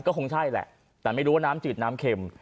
ก็คงใช่แหละแต่ไม่รู้ว่าน้ำจืดน้ำเข็ม